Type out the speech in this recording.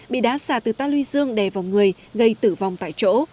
bị đá xà từ ta lưu dương đè vào người gây tử vong tại chỗ